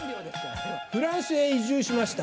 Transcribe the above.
フランスへ移住しました。